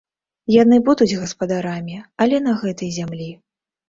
Яны будуць гаспадарамі, але на гэтай зямлі.